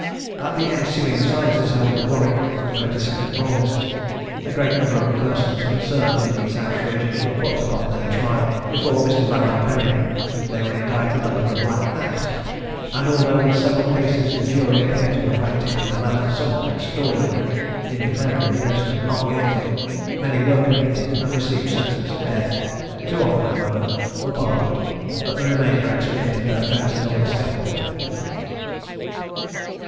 At the ensuing assizes held at Warwick on the 22d August, a great number of the persons concerned in these outrages were put upon their trial, before Mr. Baron Perryn. They were indicted under the Black Act, and although in several cases the jury appear to have acted in a manner somewhat extraordinary, in declaring the prisoners not guilty, many were convicted and received sentence of death. Two of them, however, were pardoned, but the remainder expiated their offences on the scaffold.